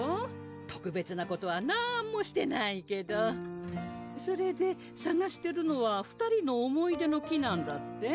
特別なことはなんもしてないけどそれでさがしてるのは２人の思い出の木なんだって？